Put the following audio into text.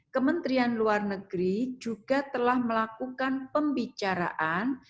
kementerian luar negeri juga telah melakukan pembicaraan